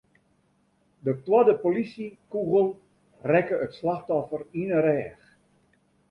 De twadde polysjekûgel rekke it slachtoffer yn 'e rêch.